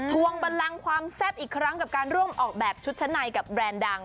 วงบันลังความแซ่บอีกครั้งกับการร่วมออกแบบชุดชั้นในกับแบรนด์ดัง